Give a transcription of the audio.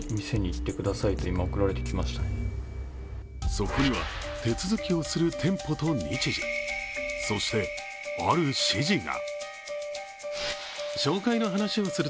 そこには、手続きをする店舗と日時、そしてある指示が。